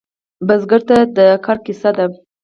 بزګر ته د کر کیسه ده